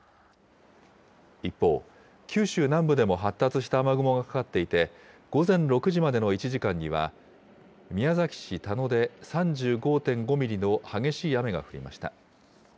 一方、九州南部でも発達した雨雲がかかっていて、午前６時までの１時間には、宮崎市田野で３５．５ミリの激しい雨が降りました。